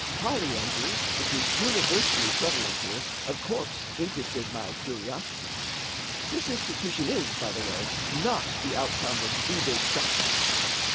Polyandry, which is universally prevalent here, of course interested my curiosity. This institution is, by the way, not the outcome of Buddha's doctrines.